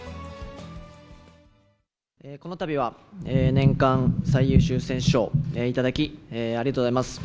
このたびは、年間最優秀選手賞を頂き、ありがとうございます。